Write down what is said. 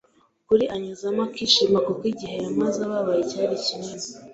Kuri anyuzamo akishima kuko igihe yamaze ababaye cyari kinini